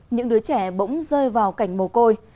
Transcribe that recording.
những đứa trẻ bỗng rơi vào cảnh mồ côi